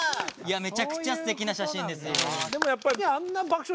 めちゃくちゃすてきな写真ですよ。